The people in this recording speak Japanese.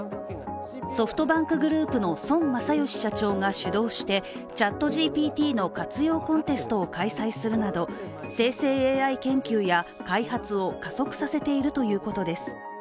ソフトバンクグループの孫正義社長が主導してＣｈａｔＧＰＴの活用コンテストを開催するなど生成ＡＩ研究や開発を加速させているということです。